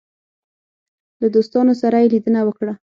له دوستانو سره یې لیدنه وکړه.